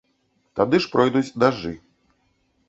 Тады ж пройдуць дажджы.